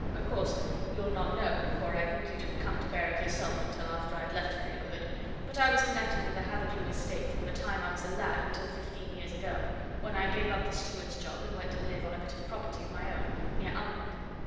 Of course, you'll not know, for I think you didn't come to Berwick yourself until after I'd left the neighbourhood but I was connected with the Hathercleugh estate from the time I was a lad until fifteen years ago, when I gave up the steward's job and went to live on a bit of property of my own, near Alnwick.